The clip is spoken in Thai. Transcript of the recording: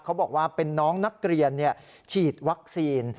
เขาบอกว่าเป็นน้องนักเรียนฉีดวัคซีน